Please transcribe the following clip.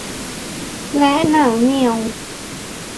และหนังเหนี่ยว